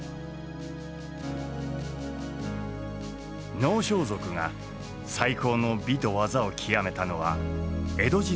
能装束が最高の美と技を極めたのは江戸時代のこと。